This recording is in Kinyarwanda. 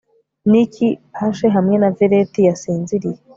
Niki pashe hamwe na veleti yasinziriye